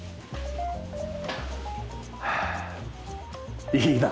はあいいな。